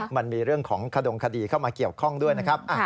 มันมีเรื่องของขดงคดีเข้ามาเกี่ยวข้องด้วยนะครับ